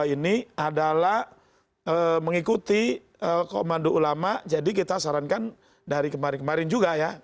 ini adalah mengikuti komando ulama jadi kita sarankan dari kemarin kemarin juga ya